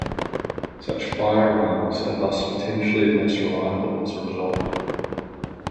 Such firearms are thus potentially less reliable as a result.